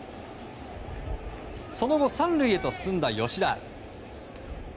その後、３塁へと進んだ吉田。